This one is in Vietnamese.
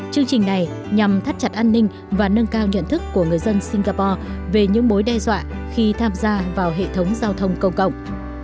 chương trình này nhằm thắt chặt an ninh và nâng cao nhận thức của người dân singapore về những mối đe dọa khi tham gia vào hệ thống giao thông công cộng